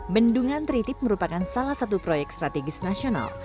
bendungan tritip merupakan salah satu proyek strategis nasional